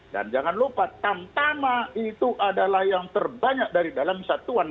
dan jangan lupa tam tama itu adalah yang terbanyak dari dalam satu negara